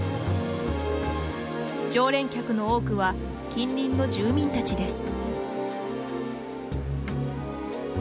常連客の多くは近隣の住民たちです。